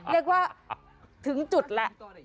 เรียกว่าถึงจุดแหละ